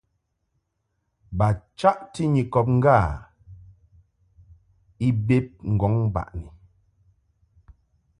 Ba chaʼti Nyikɔb ŋgâ i bed ŋgɔŋ baʼni.